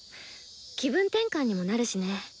気分転換にもなるしね。